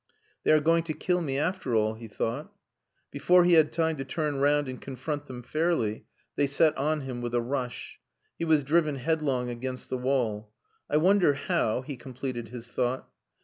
"They are going to kill me, after all," he thought. Before he had time to turn round and confront them fairly, they set on him with a rush. He was driven headlong against the wall. "I wonder how," he completed his thought.